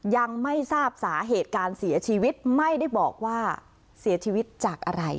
ยังไม่ทราบสาเหตุการเสียชีวิตไม่ได้บอกว่าเสียชีวิตจากอะไร